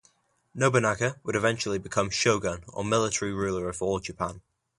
Nobunaga would eventually become "Shogun" or military ruler of all Japan.